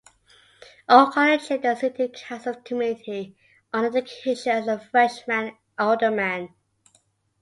O'Connor chaired the City Council's Committee on Education as a freshman alderman.